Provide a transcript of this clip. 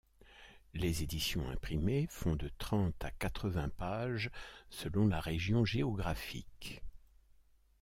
Les éditions imprimées font de trente à quatre-vingt pages selon la région géographique.